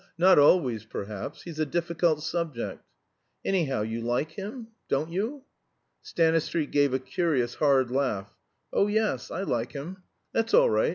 Not always, perhaps. He's a difficult subject." "Anyhow, you like him? Don't you?" Stanistreet gave a curious hard laugh. "Oh yes I like him." "That's all right.